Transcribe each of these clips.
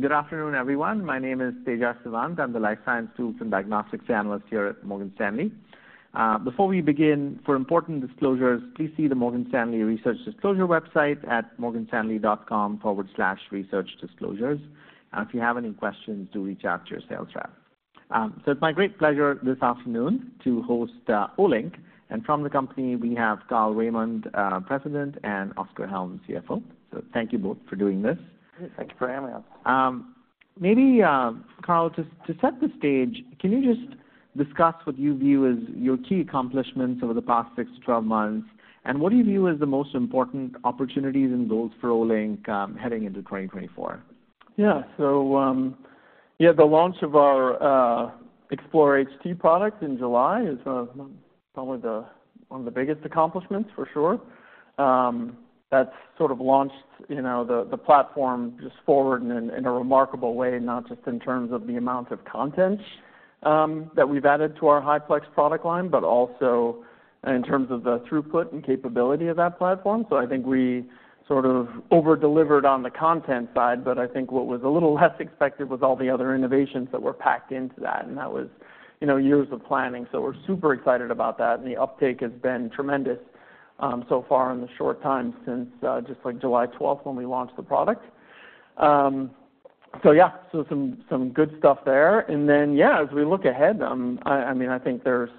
Good afternoon, everyone. My name is Tejas Savant. I'm the life science tools and diagnostics analyst here at Morgan Stanley. Before we begin, for important disclosures, please see the Morgan Stanley Research Disclosure website at morganstanley.com/researchdisclosures. If you have any questions, do reach out to your sales rep. So it's my great pleasure this afternoon to host Olink, and from the company, we have Carl Raimond, President, and Oskar Hjelm, CFO. So thank you both for doing this. Thank you for having us. Maybe, Carl, just to set the stage, can you just discuss what you view as your key accomplishments over the past six, 12 months, and what do you view as the most important opportunities and goals for Olink, heading into 2024? Yeah. So, yeah, the launch of our Explore HT product in July is probably the one of the biggest accomplishments for sure. That's sort of launched, you know, the platform just forward in a remarkable way, not just in terms of the amount of content that we've added to our high-plex product line, but also in terms of the throughput and capability of that platform. So I think we sort of over-delivered on the content side, but I think what was a little less expected was all the other innovations that were packed into that, and that was, you know, years of planning. So we're super excited about that, and the uptake has been tremendous so far in the short time since just like July 12th when we launched the product. So yeah, so some good stuff there. And then, yeah, as we look ahead, I mean, I think there's,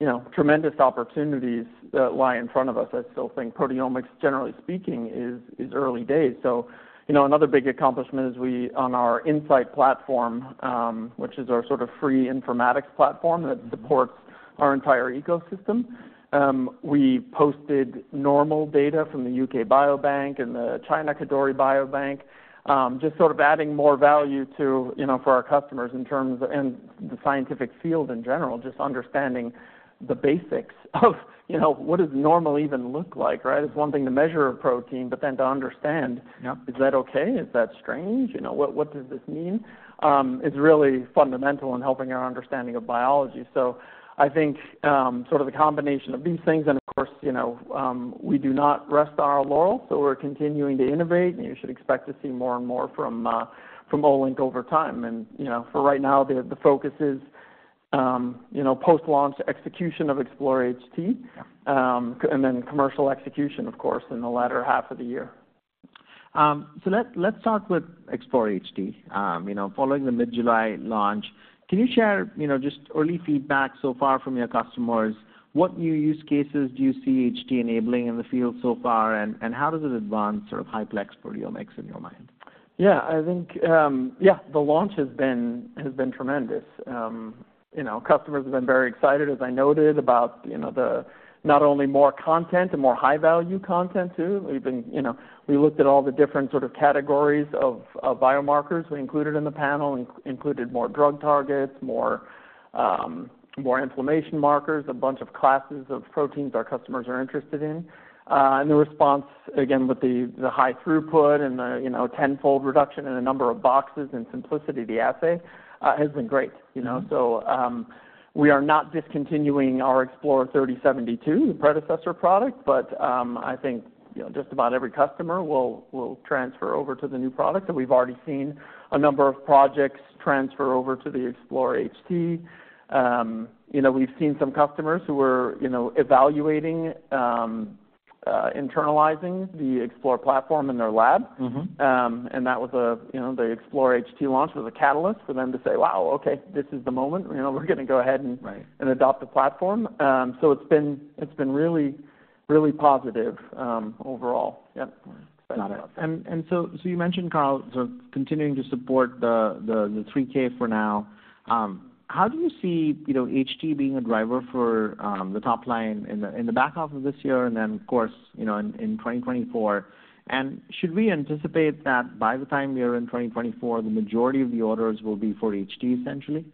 you know, tremendous opportunities that lie in front of us. I still think proteomics, generally speaking, is early days. So, you know, another big accomplishment is we, on our Insight platform, which is our sort of free informatics platform that supports our entire ecosystem, we posted normal data from the UK Biobank and the China Kadoorie Biobank. Just sort of adding more value to, you know, for our customers in terms of... and the scientific field in general, just understanding the basics of, you know, what does normal even look like, right? It's one thing to measure a protein, but then to understand. Yep. Is that okay? Is that strange? You know, what, what does this mean? It's really fundamental in helping our understanding of biology. So I think, sort of a combination of these things, and of course, you know, we do not rest on our laurels, so we're continuing to innovate, and you should expect to see more and more from, from Olink over time. And, you know, for right now, the, the focus is, you know, post-launch execution of Explore HT, and then commercial execution, of course, in the latter half of the year. So let's start with Explore HT. You know, following the mid-July launch, can you share, you know, just early feedback so far from your customers? What new use cases do you see HT enabling in the field so far, and how does it advance sort of high-plex proteomics in your mind? Yeah, I think, yeah, the launch has been tremendous. You know, customers have been very excited, as I noted, about, you know, the not only more content and more high-value content, too. We've been, you know, we looked at all the different sort of categories of biomarkers we included in the panel, included more drug targets, more, more inflammation markers, a bunch of classes of proteins our customers are interested in. And the response, again, with the high throughput and the, you know, tenfold reduction in a number of boxes and simplicity of the assay, has been great. You know, so, we are not discontinuing our Explore 3072, the predecessor product, but I think, you know, just about every customer will transfer over to the new product. We've already seen a number of projects transfer over to the Explore HT. You know, we've seen some customers who were, you know, evaluating internalizing the Explore platform in their lab. Mm-hmm. And that was a, you know, the Explore HT launch was a catalyst for them to say, "Wow, okay, this is the moment. You know, we're gonna go ahead and- Right and adopt the platform. So it's been, it's been really, really positive, overall. Yep. Got it. And so you mentioned, Carl, so continuing to support the 3K for now. How do you see, you know, HT being a driver for the top line in the back half of this year, and then, of course, you know, in 2024? And should we anticipate that by the time we're in 2024, the majority of the orders will be for HT, essentially?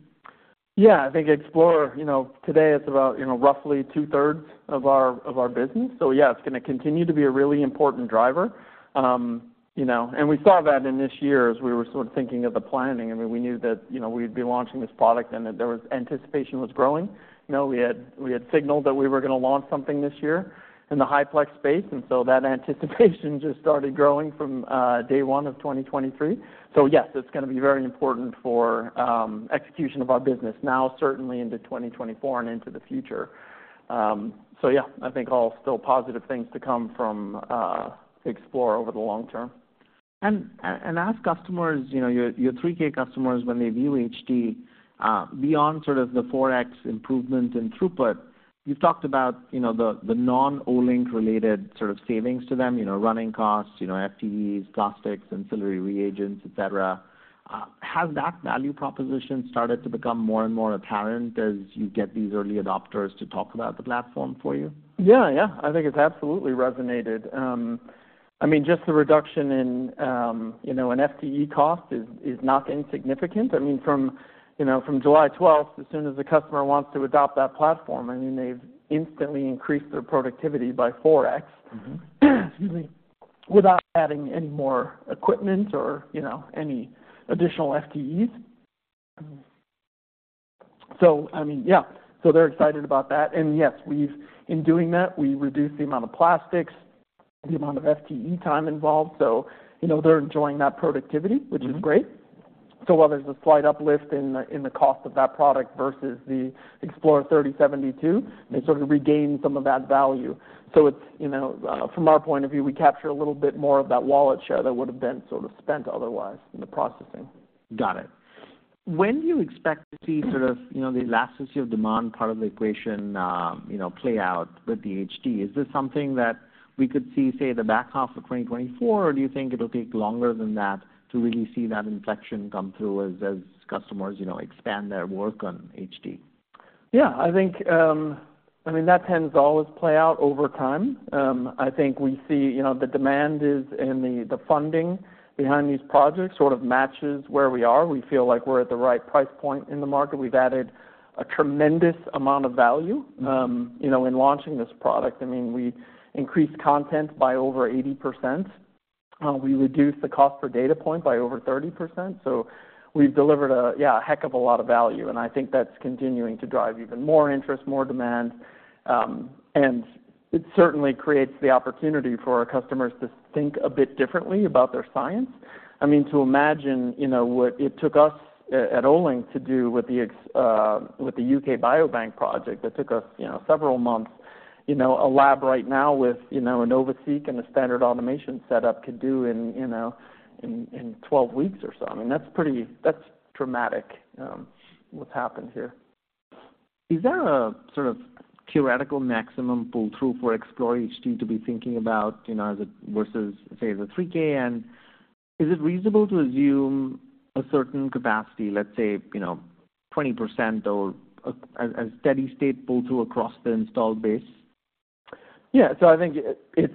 Yeah. I think Explore, you know, today it's about, you know, roughly two-thirds of our, of our business. So yeah, it's gonna continue to be a really important driver. You know, and we saw that in this year as we were sort of thinking of the planning. I mean, we knew that, you know, we'd be launching this product and that there was anticipation was growing. You know, we had, we had signaled that we were gonna launch something this year in the high-plex space, and so that anticipation just started growing from day one of 2023. So yes, it's gonna be very important for execution of our business now, certainly into 2024 and into the future. So yeah, I think all still positive things to come from Explore over the long term. As customers, you know, your 3K customers, when they view HT, beyond sort of the 4x improvement in throughput, you've talked about, you know, the non-Olink related sort of savings to them, you know, running costs, you know, FTEs, plastics, ancillary reagents, et cetera. Has that value proposition started to become more and more apparent as you get these early adopters to talk about the platform for you? Yeah, yeah. I think it's absolutely resonated. I mean, just the reduction in, you know, an FTE cost is not insignificant. I mean, from, you know, from July 12th, as soon as the customer wants to adopt that platform, I mean, they've instantly increased their productivity by 4x- Mm-hmm. Excuse me, without adding any more equipment or, you know, any additional FTEs. So, I mean, yeah, so they're excited about that. And yes, we've, in doing that, we reduced the amount of plastics, the amount of FTE time involved. So, you know, they're enjoying that productivity, which is great. So while there's a slight uplift in the, in the cost of that product versus the Explore 3072, they sort of regain some of that value. So it's, you know, from our point of view, we capture a little bit more of that wallet share that would have been sort of spent otherwise in the processing. Got it. When do you expect to see sort of, you know, the elasticity of demand part of the equation, you know, play out with the HT? Is this something that we could see, say, the back half of 2024, or do you think it'll take longer than that to really see that inflection come through as, as customers, you know, expand their work on HT? Yeah, I think, I mean, that tends to always play out over time. I think we see, you know, the demand is, and the, the funding behind these projects sort of matches where we are. We feel like we're at the right price point in the market. We've added a tremendous amount of value, you know, in launching this product. I mean, we increased content by over 80%. We reduced the cost per data point by over 30%. So we've delivered a, yeah, a heck of a lot of value, and I think that's continuing to drive even more interest, more demand. And it certainly creates the opportunity for our customers to think a bit differently about their science. I mean, to imagine, you know, what it took us at Olink to do with the ex... With the UK Biobank project, that took us, you know, several months, you know, a lab right now with, you know, a NovaSeq and a standard automation setup could do in, you know, 12 weeks or so. I mean, that's pretty, that's dramatic, what's happened here. Is there a sort of theoretical maximum pull-through for Explore HT to be thinking about, you know, as it versus, say, the 3K? And is it reasonable to assume a certain capacity, let's say, you know, 20% or a steady state pull-through across the installed base? Yeah, so I think it, it's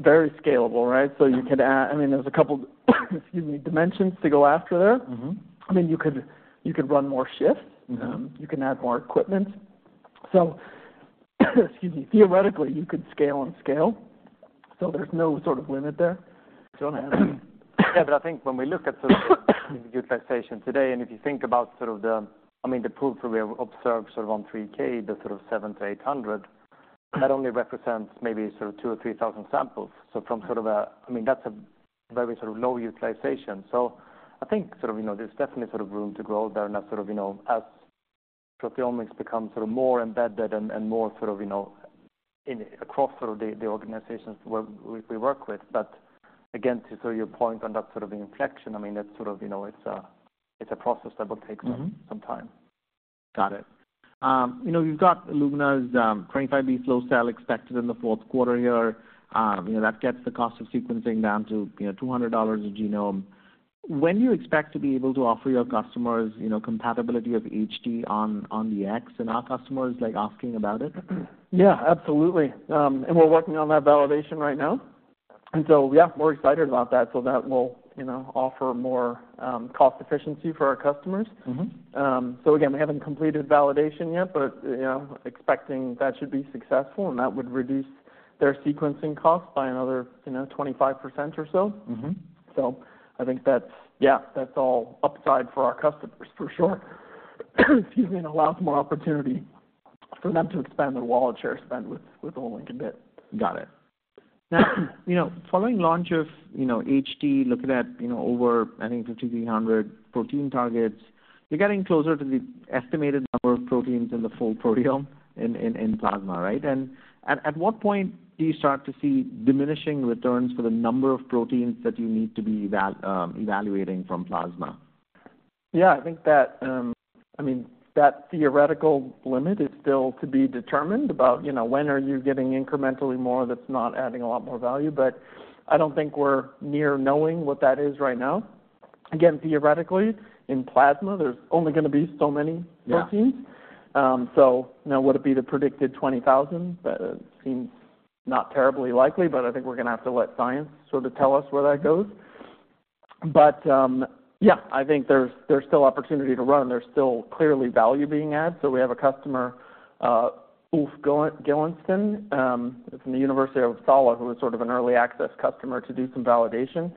very scalable, right? So you could, I mean, there's a couple, excuse me, dimensions to go after there. Mm-hmm. I mean, you could, you could run more shifts. Mm-hmm. You can add more equipment. So, excuse me, theoretically, you could scale on scale, so there's no sort of limit there. Yeah, but I think when we look at sort of the utilization today, and if you think about sort of the, I mean, the pull-through we observe sort of on 3K, the sort of 700-800, that only represents maybe sort of 2,000 or 3,000 samples. So from sort of a... I mean, that's a very sort of low utilization. So I think sort of, you know, there's definitely sort of room to grow there, and that sort of, you know, as proteomics become sort of more embedded and, and more sort of, you know, in across sort of the, the organizations where we, we work with. But again, to sort of your point on that sort of inflection, I mean, that's sort of, you know, it's a, it's a process that will take some time. Got it. You know, you've got Illumina's 25B flow cell expected in the Q4 here. You know, that gets the cost of sequencing down to, you know, $200 a genome. When do you expect to be able to offer your customers, you know, compatibility of HT on, on the X? I know customers like asking about it. Yeah, absolutely. And we're working on that validation right now. And so, yeah, we're excited about that. So that will, you know, offer more cost efficiency for our customers. Mm-hmm. So again, we haven't completed validation yet, but, you know, expecting that should be successful, and that would reduce their sequencing costs by another, you know, 25% or so. Mm-hmm. So I think that's, yeah, that's all upside for our customers, for sure. Excuse me, and allows more opportunity for them to expand their wallet share spend with, with Olink a bit. Got it. Now, you know, following launch of, you know, HT, looking at, you know, over, I think, 5,300 protein targets, you're getting closer to the estimated number of proteins in the full proteome in plasma, right? And at what point do you start to see diminishing returns for the number of proteins that you need to be evaluating from plasma? Yeah, I think that, I mean, that theoretical limit is still to be determined about, you know, when are you getting incrementally more that's not adding a lot more value? But I don't think we're near knowing what that is right now. Again, theoretically, in plasma, there's only gonna be so many proteins. So, you know, would it be the predicted 20,000? That seems not terribly likely, but I think we're gonna have to let science sort of tell us where that goes. But, yeah, I think there's still opportunity to run. There's still clearly value being added. So we have a customer, Ulf Gyllensten, from Uppsala University, who was sort of an early access customer to do some validation.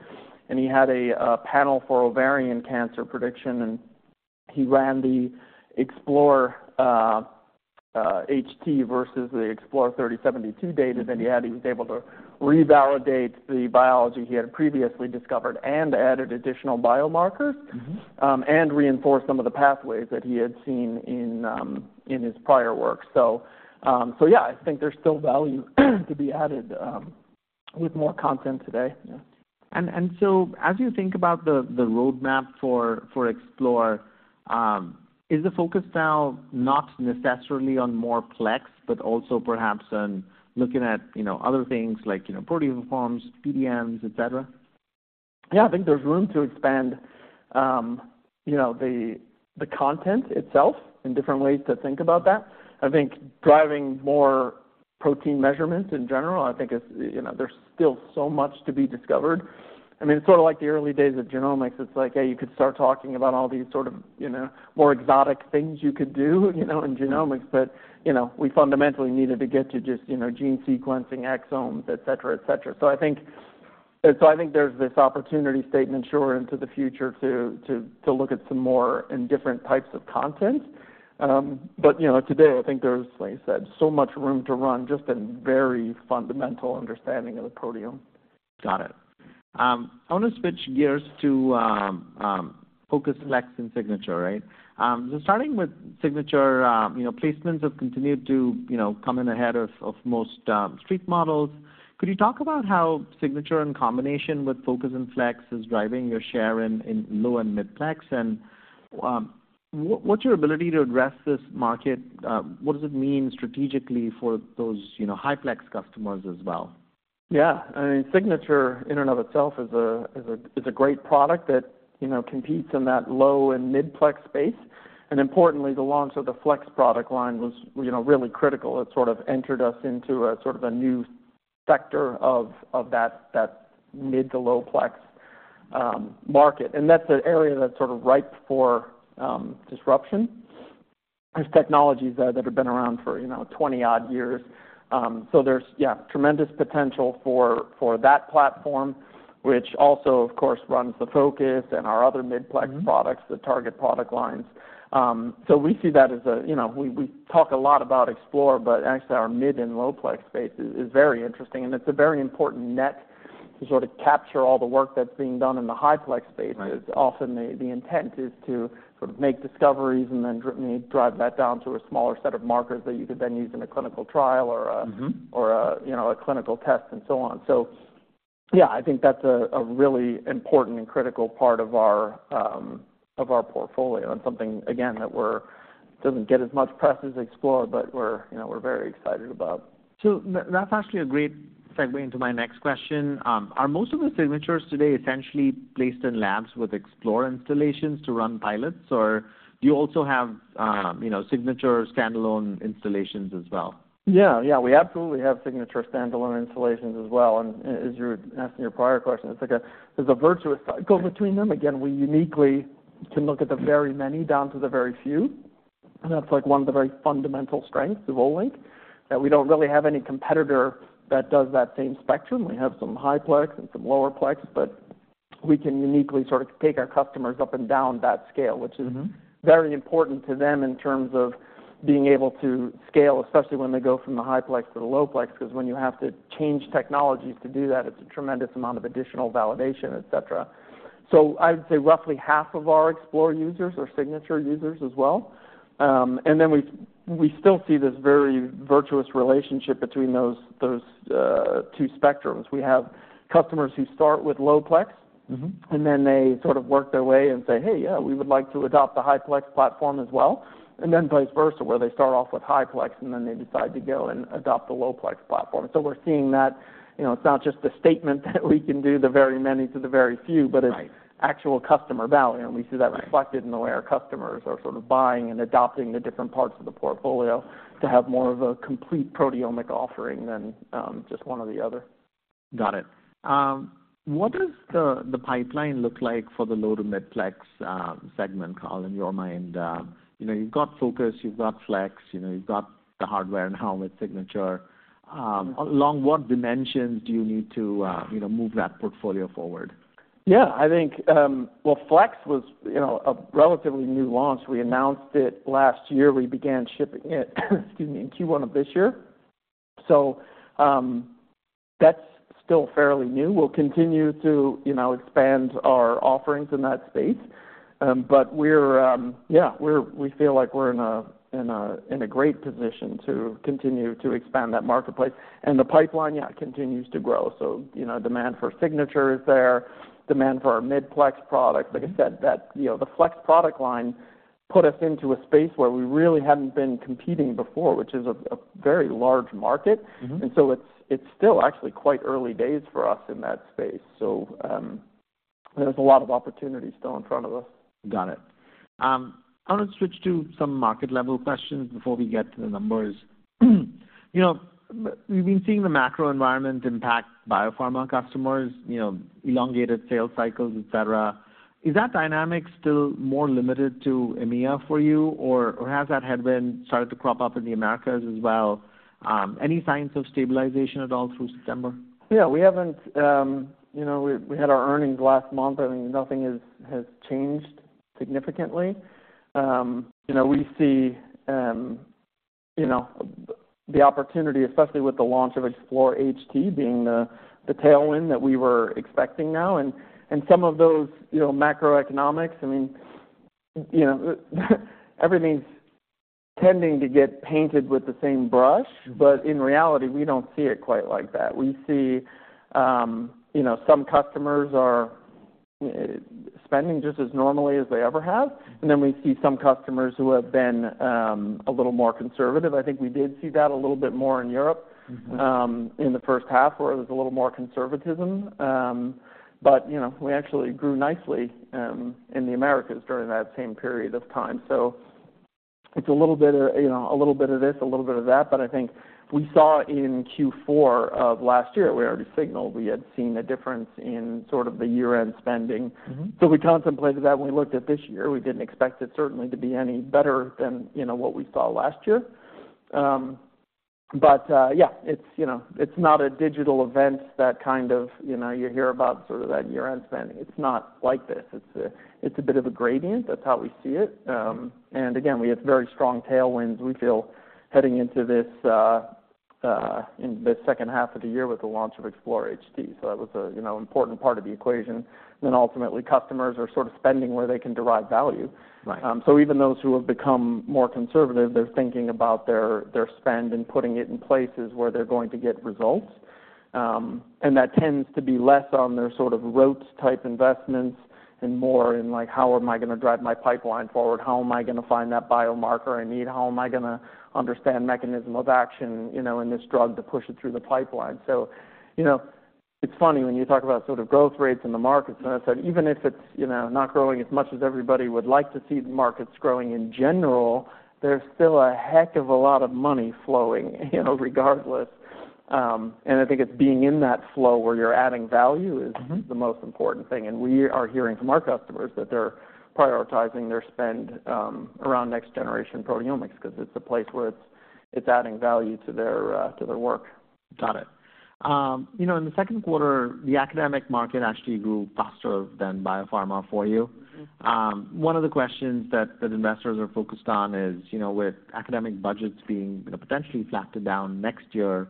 And he had a panel for ovarian cancer prediction, and he ran the Explore HT versus the Explore 3072 data that he had. He was able to revalidate the biology he had previously discovered and added additional biomarkers and reinforce some of the pathways that he had seen in his prior work. So, yeah, I think there's still value to be added with more content today. Yeah. And, and so as you think about the, the roadmap for, for Explore, is the focus now not necessarily on more plex, but also perhaps on looking at, you know, other things like, you know, proteoforms, PTMs, et cetera? Yeah, I think there's room to expand, you know, the, the content itself in different ways to think about that. I think driving more protein measurements in general, I think is, you know, there's still so much to be discovered. I mean, it's sort of like the early days of genomics. It's like, hey, you could start talking about all these sort of, you know, more exotic things you could do, you know, in genomics. But, you know, we fundamentally needed to get to just, you know, gene sequencing, exomes, et cetera, et cetera. And so I think there's this opportunity statement sure into the future to, to, to look at some more and different types of content. But, you know, today, I think there's, like you said, so much room to run, just a very fundamental understanding of the proteome. Got it. I want to switch gears to Focus, Flex, and Signature, right? So starting with Signature, you know, placements have continued to, you know, come in ahead of, of most street models. Could you talk about how Signature in combination with Focus and Flex is driving your share in low-plex and mid-plex? And, what, what's your ability to address this market? What does it mean strategically for those, you know, high-plex customers as well? Yeah. I mean, Signature in and of itself is a great product that, you know, competes in that low and mid-plex space. And importantly, the launch of the Flex product line was, you know, really critical. It sort of entered us into a sort of a new sector of that mid to low-plex market. And that's an area that's sort of ripe for disruption. There's technologies that have been around for, you know, 20-odd years. So there's, yeah, tremendous potential for that platform, which also, of course, runs the Focus and our other mid-plex products, the Target product lines. So we see that as a, you know, we talk a lot about Explore, but actually, our mid-plex and low-plex space is very interesting, and it's a very important net to sort of capture all the work that's being done in the high-plex space. Right. Because often the intent is to sort of make discoveries and then drive that down to a smaller set of markers that you could then use in a clinical trial or a, or a, you know, a clinical test and so on. So yeah, I think that's a really important and critical part of our portfolio and something, again, that we're... Doesn't get as much press as Explore, but we're, you know, we're very excited about. So that, that's actually a great segue into my next question. Are most of the Signatures today essentially placed in labs with Explore installations to run pilots, or do you also have, you know, Signature standalone installations as well? Yeah, yeah, we absolutely have Signature standalone installations as well. And as you were asking your prior question, it's like, there's a virtuous cycle between them. Again, we uniquely can look at the very many down to the very few, and that's, like, one of the very fundamental strengths of Olink, that we don't really have any competitor that does that same spectrum. We have some high-plex and some lower plex, but we can uniquely sort of take our customers up and down that scale which is very important to them in terms of being able to scale, especially when they go from the high-plex to the low-plex, 'cause when you have to change technologies to do that, it's a tremendous amount of additional validation, et cetera. So I'd say roughly half of our Explore users are Signature users as well. And then we still see this very virtuous relationship between those two spectrums. We have customers who start with low-plex- Mm-hmm And then they sort of work their way and say, "Hey, yeah, we would like to adopt the high-plex platform as well." And then vice versa, where they start off with high-plex, and then they decide to go and adopt the low-plex platform. So we're seeing that, you know, it's not just a statement that we can do the very many to the very few but it's actual customer value, and we see that reflected in the way our customers are sort of buying and adopting the different parts of the portfolio to have more of a complete proteomic offering than just one or the other. Got it. What does the pipeline look like for the low to mid-plex segment, Carl, in your mind? You know, you've got Focus, you've got Flex, you know, you've got the hardware now with Signature. Along what dimensions do you need to, you know, move that portfolio forward? Yeah, I think, well, Flex was, you know, a relatively new launch. We announced it last year. We began shipping it, excuse me, in Q1 of this year. So, that's still fairly new. We'll continue to, you know, expand our offerings in that space. But we're, yeah, we're in a great position to continue to expand that marketplace. And the pipeline, yeah, continues to grow, so, you know, demand for Signature is there, demand for our mid-plex products. Like I said, that, you know, the Flex product line put us into a space where we really hadn't been competing before, which is a very large market. Mm-hmm. It's still actually quite early days for us in that space, so there's a lot of opportunity still in front of us. Got it. I want to switch to some market-level questions before we get to the numbers. You know, we've been seeing the macro environment impact biopharma customers, you know, elongated sales cycles, et cetera. Is that dynamic still more limited to EMEA for you, or, or has that headwind started to crop up in the Americas as well? Any signs of stabilization at all through September? Yeah, we haven't. You know, we had our earnings last month, and nothing has changed significantly. You know, we see the opportunity, especially with the launch of Explore HT, being the tailwind that we were expecting now. And some of those macroeconomics, I mean, you know, everything's tending to get painted with the same brush, but in reality, we don't see it quite like that. We see some customers are spending just as normally as they ever have, and then we see some customers who have been a little more conservative. I think we did see that a little bit more in Europe in the H1, where there was a little more conservatism. But, you know, we actually grew nicely in the Americas during that same period of time. So it's a little bit, you know, a little bit of this, a little bit of that, but I think we saw in Q4 of last year, we already signaled we had seen a difference in sort of the year-end spending. Mm-hmm. So we contemplated that when we looked at this year. We didn't expect it certainly to be any better than, you know, what we saw last year. But, yeah, it's, you know, it's not a digital event that kind of, you know, you hear about sort of that year-end spending. It's not like this. It's a bit of a gradient. That's how we see it. And again, we have very strong tailwinds, we feel, heading into this in the H2 of the year with the launch of Explore HT. So that was a, you know, important part of the equation. Then ultimately, customers are sort of spending where they can derive value. Right. So even those who have become more conservative, they're thinking about their, their spend and putting it in places where they're going to get results. And that tends to be less on their sort of roads type investments and more in, like, How am I gonna drive my pipeline forward? How am I gonna find that biomarker I need? How am I gonna understand mechanism of action, you know, in this drug to push it through the pipeline? So, you know, it's funny when you talk about sort of growth rates in the markets, and I said, even if it's, you know, not growing as much as everybody would like to see the markets growing in general, there's still a heck of a lot of money flowing, you know, regardless. And I think it's being in that flow where you're adding value is the most important thing. We are hearing from our customers that they're prioritizing their spend around next generation proteomics, 'cause it's a place where it's adding value to their work. Got it. You know, in the Q2, the academic market actually grew faster than biopharma for you. Mm-hmm. One of the questions that investors are focused on is, you know, with academic budgets being, you know, potentially flattened down next year,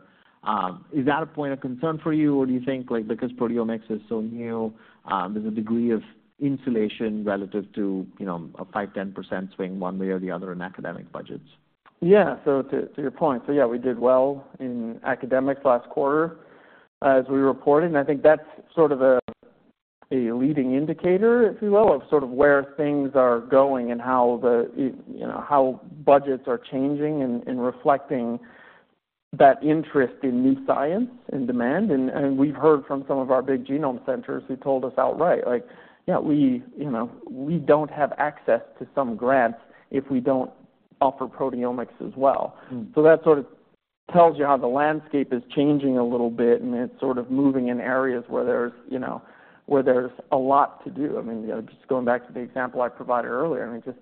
is that a point of concern for you, or do you think, like, because proteomics is so new, there's a degree of insulation relative to, you know, a 5%, 10% swing one way or the other in academic budgets? Yeah, so to your point, so yeah, we did well in academics last quarter, as we reported, and I think that's sort of a leading indicator, if you will, of sort of where things are going and how the, you know, how budgets are changing and reflecting that interest in new science and demand. And we've heard from some of our big genome centers who told us outright, like: Yeah, we, you know, we don't have access to some grants if we don't offer proteomics as well. Mm. So that sort of tells you how the landscape is changing a little bit, and it's sort of moving in areas where there's, you know, where there's a lot to do. I mean, you know, just going back to the example I provided earlier, I mean, just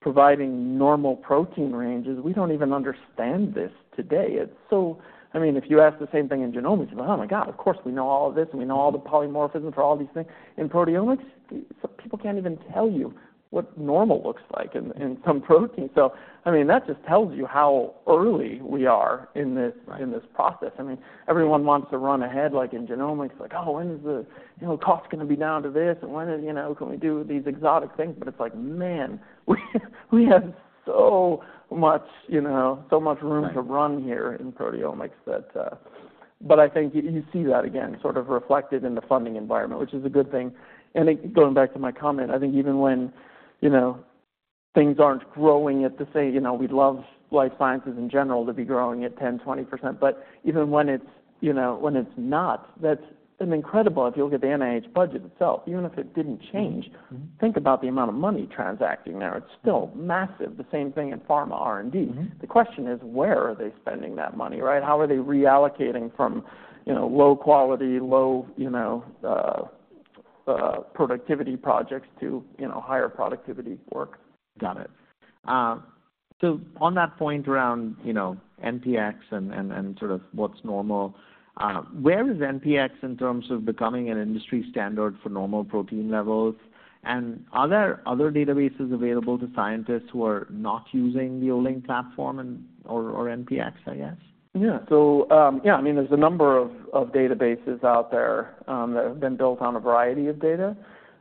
providing normal protein ranges, we don't even understand this today. It's so... I mean, if you ask the same thing in genomics, you went, "Oh, my God, of course, we know all of this, and we know all the polymorphisms for all these things." In proteomics, people can't even tell you what normal looks like in, in some proteins. So, I mean, that just tells you how early we are in this, in this process. I mean, everyone wants to run ahead, like in genomics, like, "Oh, when is the, you know, cost gonna be down to this, and when is, you know, can we do these exotic things?" But it's like, man, we have so much, you know, so much room to run here in proteomics that. But I think you, you see that again, sort of reflected in the funding environment, which is a good thing. And I think going back to my comment, I think even when, you know, things aren't growing at the same, you know, we'd love life sciences in general to be growing at 10%, 20%. But even when it's, you know, when it's not, that's an incredible... If you look at the NIH budget itself, even if it didn't change think about the amount of money transacting there. It's still massive. The same thing in pharma R&D. Mm-hmm. The question is: Where are they spending that money, right? How are they reallocating from, you know, low quality, low, you know, productivity projects to, you know, higher productivity work? Got it. So on that point around, you know, NPX and sort of what's normal, where is NPX in terms of becoming an industry standard for normal protein levels? And are there other databases available to scientists who are not using the Olink platform and/or NPX, I guess? Yeah. So, yeah, I mean, there's a number of databases out there that have been built on a variety of data.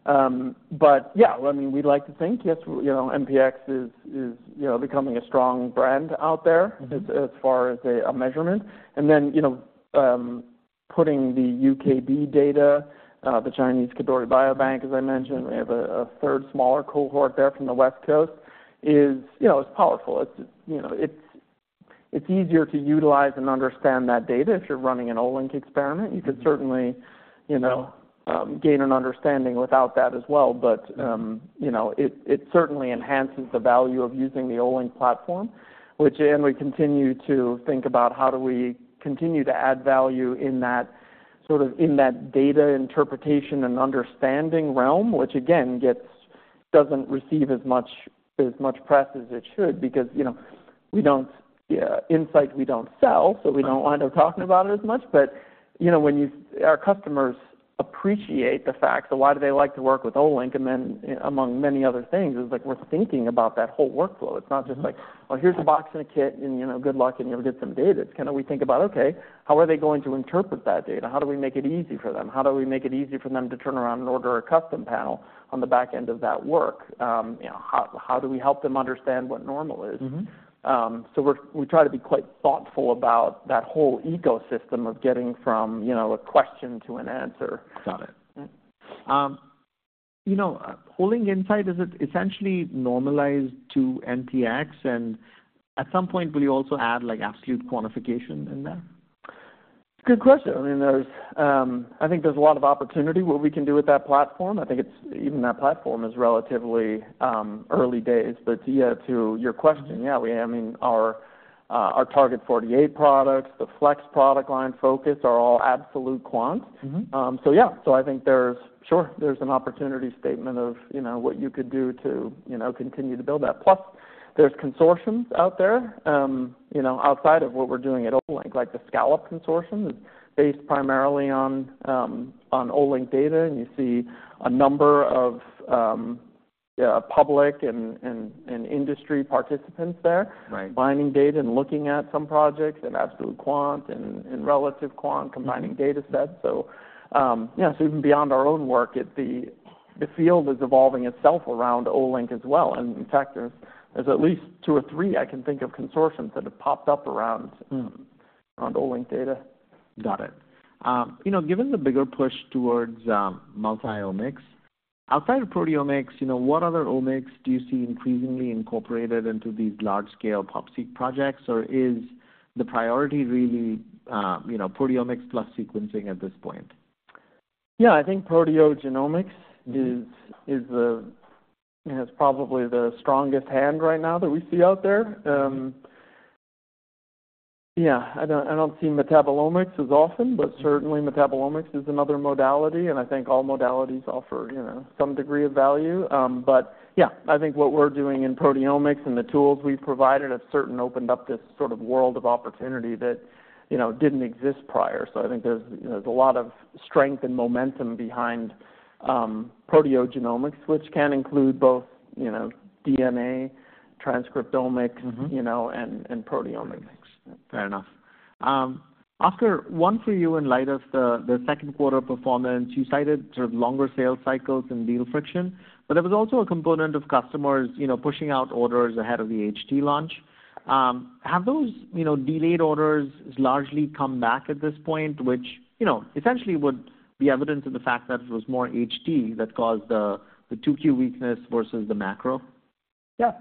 But yeah, I mean, we'd like to think, yes, you know, NPX is, you know, becoming a strong brand out there. Mm-hmm As far as a measurement. And then, you know, putting the UKB data, the Chinese Kadoorie Biobank, as I mentioned, we have a third smaller cohort there from the West Coast, you know, it's powerful. It's, you know, it's easier to utilize and understand that data if you're running an Olink experiment. Mm-hmm. You could certainly, you know, gain an understanding without that as well, but, you know, it, it certainly enhances the value of using the Olink platform, which, and we continue to think about how do we continue to add value in that, sort of, in that data interpretation and understanding realm, which again, gets- doesn't receive as much, as much press as it should, because, you know, we don't, Insight, we don't sell so we don't wind up talking about it as much. But, you know, when you-- our customers appreciate the fact that why do they like to work with Olink, and then among many other things, is like, we're thinking about that whole workflow. Mm-hmm. It's not just like, "Well, here's a box and a kit, and, you know, good luck, and you'll get some data." It's kind of we think about, okay, how are they going to interpret that data? How do we make it easy for them? How do we make it easy for them to turn around and order a custom panel on the back end of that work? You know, how do we help them understand what normal is? Mm-hmm. So we try to be quite thoughtful about that whole ecosystem of getting from, you know, a question to an answer. Got it. You know, Olink Insight, is it essentially normalized to NPX? And at some point, will you also add, like, absolute quantification in that? Good question. I mean, there's, I think there's a lot of opportunity what we can do with that platform. I think it's... Even that platform is relatively, early days. But yeah, to your question, yeah, we, I mean, our, our Target 48 products, the Flex product line, Focus, are all absolute quants. Mm-hmm. So yeah, so I think there's, sure, there's an opportunity statement of, you know, what you could do to, you know, continue to build that. Plus, there's consortiums out there, you know, outside of what we're doing at Olink, like the SCALLOP Consortium, is based primarily on Olink data, and you see a number of public and industry participants there. Right. Mining data and looking at some projects and absolute quant and relative quant, combining data sets. So, yeah, so even beyond our own work, the field is evolving itself around Olink as well. And in fact, there's at least two or three I can think of consortiums that have popped up around, around Olink data. Got it. You know, given the bigger push towards multi-omics, outside of proteomics, you know, what other omics do you see increasingly incorporated into these large-scale Pop-seq projects? Or is the priority really, you know, proteomics plus sequencing at this point? Yeah, I think proteogenomics is probably the strongest hand right now that we see out there. Yeah, I don't see metabolomics as often, but certainly metabolomics is another modality, and I think all modalities offer, you know, some degree of value. But yeah, I think what we're doing in proteomics and the tools we've provided have certainly opened up this sort of world of opportunity that, you know, didn't exist prior. So I think there's, you know, there's a lot of strength and momentum behind proteogenomics, which can include both, you know, DNA, transcriptomics, you know, and, and proteomics. Fair enough. Oskar, one for you. In light of the, the second quarter performance, you cited sort of longer sales cycles and deal friction, but there was also a component of customers, you know, pushing out orders ahead of the HT launch. Have those, you know, delayed orders largely come back at this point, which, you know, essentially would be evidence of the fact that it was more HT that caused the, the Q2 weakness versus the macro? Yeah.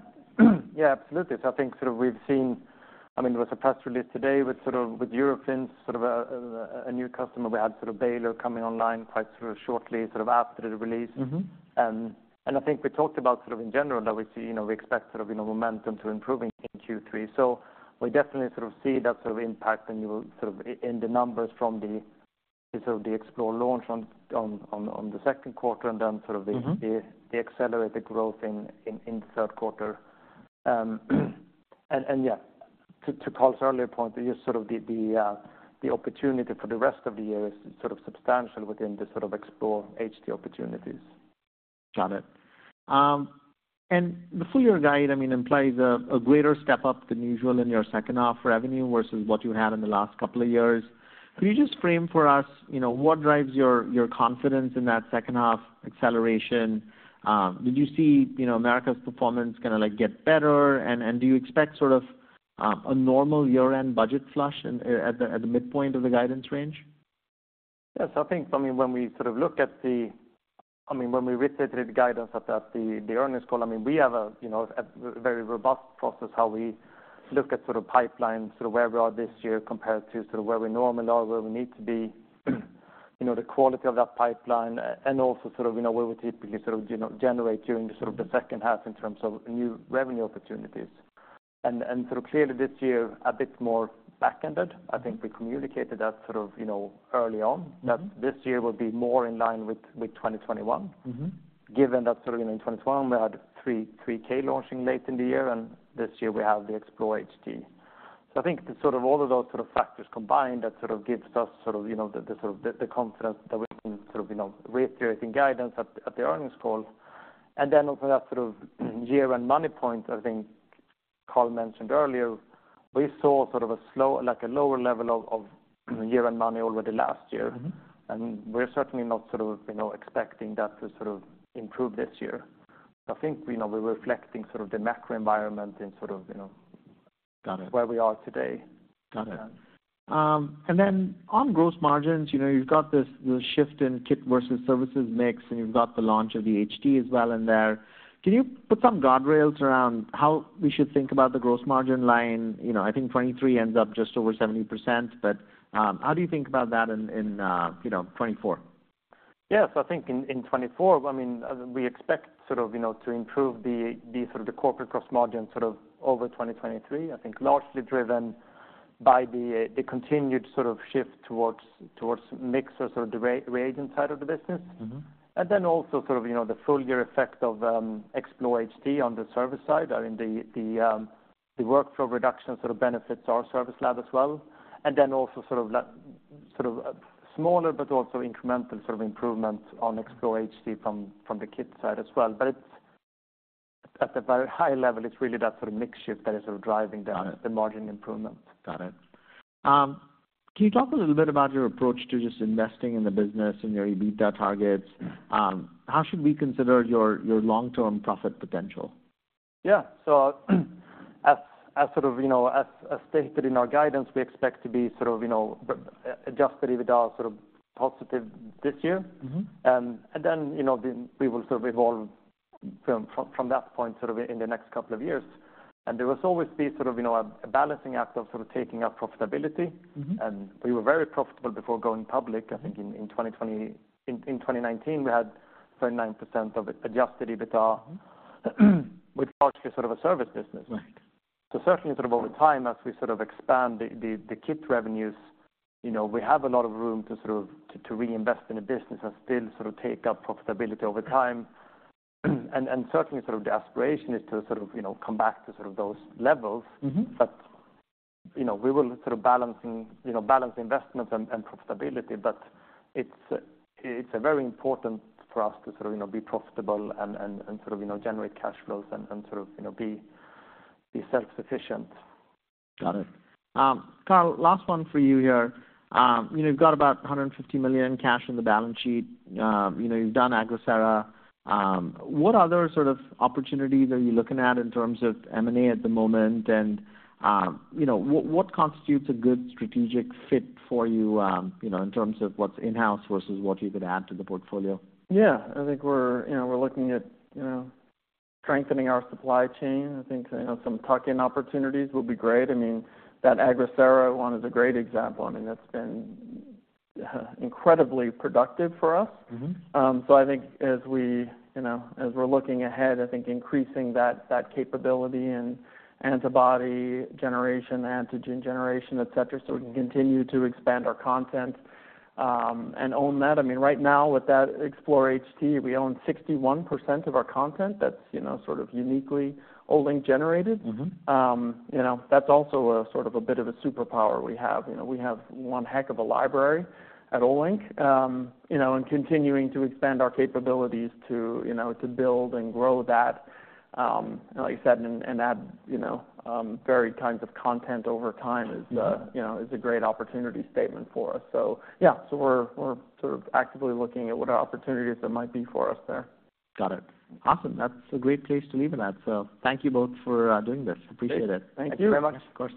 Yeah, absolutely. So I think sort of we've seen—I mean, there was a press release today with sort of, with Eurofins, sort of a, a, a new customer. We had sort of Baylor coming online quite sort of shortly, sort of after the release. Mm-hmm. And I think we talked about sort of in general, that we see, you know, we expect sort of, you know, momentum to improving in Q3. So we definitely sort of see that sort of impact, and you will sort of in the numbers from the, sort of the Explore launch on the second quarter and then sort of the, the accelerated growth in the Q3. And yeah, to Carl's earlier point, just sort of the opportunity for the rest of the year is sort of substantial within the sort of Explore HT opportunities. Got it. And the full year guide, I mean, implies a greater step up than usual in your H2 revenue versus what you had in the last couple of years. Can you just frame for us, you know, what drives your confidence in that H2 acceleration? Did you see, you know, Americas performance kinda like get better? And do you expect sort of a normal year-end budget flush in at the midpoint of the guidance range? Yes, I think, I mean, when we sort of look at the I mean, when we reiterated the guidance at that earnings call, I mean, we have a, you know, a very robust process, how we look at sort of pipeline, sort of where we are this year compared to sort of where we normally are, where we need to be. You know, the quality of that pipeline, and also sort of, you know, where we typically sort of, you know, generate during the sort of the H2 in terms of new revenue opportunities. And sort of clearly this year, a bit more back-ended. I think we communicated that sort of, you know, early on that this year will be more in line with 2021. Mm-hmm. Given that sort of in 2021, we had 3K launching late in the year, and this year we have the Explore HT. So I think the sort of all of those sort of factors combined, that sort of gives us sort of, you know, the, the sort of, the, the confidence that we can sort of, you know, reiterating guidance at the, at the earnings call. And then also that sort of year-end money point, I think Carl mentioned earlier, we saw sort of a slow, like a lower level of, of year-end money already last year. Mm-hmm. We're certainly not sort of, you know, expecting that to sort of improve this year. I think, you know, we're reflecting sort of the macro environment and sort of, you know, where we are today. Got it. Yeah. And then on gross margins, you know, you've got this, the shift in kit versus services mix, and you've got the launch of the HT as well in there. Can you put some guardrails around how we should think about the gross margin line? You know, I think 2023 ends up just over 70%, but, how do you think about that in, in, you know, 2024? Yes. I think in 2024, I mean, we expect sort of, you know, to improve the, the sort of the corporate gross margin, sort of over 2023. I think largely driven by the continued sort of shift towards, towards mix or sort of the reagent side of the business. Mm-hmm. And then also sort of, you know, the full year effect of Explore HT on the service side, I mean, the workflow reduction sort of benefits our service lab as well. And then also sort of like, sort of smaller but also incremental sort of improvement on Explore HT from the kit side as well. But it's... At the very high level, it's really that sort of mix shift that is sort of driving down the margin improvement. Got it. Can you talk a little bit about your approach to just investing in the business and your EBITDA targets? How should we consider your long-term profit potential? Yeah. So, as sort of, you know, as stated in our guidance, we expect to be sort of, you know, adjusted EBITDA sort of positive this year. Mm-hmm. And then, you know, we will sort of evolve from that point, sort of in the next couple of years. And there will always be sort of, you know, a balancing act of sort of taking up profitability. Mm-hmm. And we were very profitable before going public. I think in 2019, we had 39% of adjusted EBITDA, with largely sort of a service business. Mm-hmm. So certainly sort of over time, as we sort of expand the kit revenues, you know, we have a lot of room to sort of to reinvest in the business and still sort of take up profitability over time. And certainly sort of the aspiration is to sort of, you know, come back to sort of those levels. Mm-hmm. But, you know, we will sort of balance investment and profitability. But it's very important for us to sort of, you know, be profitable and sort of, you know, generate cash flows and sort of, you know, be self-sufficient. Got it. Carl, last one for you here. You know, you've got about $150 million cash on the balance sheet. You know, you've done Agrisera. What other sort of opportunities are you looking at in terms of M&A at the moment? And, you know, what constitutes a good strategic fit for you, you know, in terms of what's in-house versus what you could add to the portfolio? Yeah, I think we're, you know, we're looking at, you know, strengthening our supply chain. I think, you know, some tuck-in opportunities will be great. I mean, that Agrisera one is a great example. I mean, that's been incredibly productive for us. Mm-hmm. So I think as we, you know, as we're looking ahead, I think increasing that capability and antibody generation, antigen generation, et cetera, so we can continue to expand our content, and own that. I mean, right now, with that Explore HT, we own 61% of our content. That's, you know, sort of uniquely Olink generated. Mm-hmm. You know, that's also a sort of a bit of a superpower we have. You know, we have one heck of a library at Olink. You know, and continuing to expand our capabilities to, you know, to build and grow that, like you said, and, and add, you know, varied kinds of content over time is, Mm-hmm. You know, is a great opportunity statement for us. So yeah, so we're, we're sort of actively looking at what are opportunities that might be for us there. Got it. Awesome. That's a great place to leave it at. So thank you both for doing this. Appreciate it. Thank you. Thank you very much. Of course.